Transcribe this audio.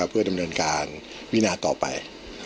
เพื่อดำเนินการวินาต่อไป